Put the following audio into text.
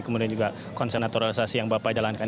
kemudian juga konsen naturalisasi yang bapak jalankan